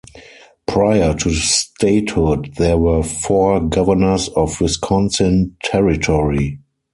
Prior to statehood, there were four Governors of Wisconsin Territory.